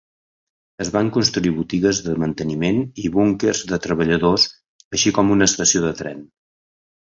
Es van construir botigues de manteniment i búnquers de treballadors, així com una estació de tren.